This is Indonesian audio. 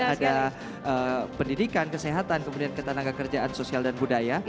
ada pendidikan kesehatan kemudian ketenaga kerjaan sosial dan budaya